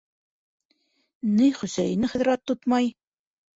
Ней Хөсәйене хәҙер ат тотмай!